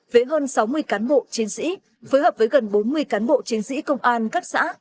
với hơn sáu mươi cán bộ chiến sĩ phối hợp với gần bốn mươi cán bộ chiến sĩ công an các xã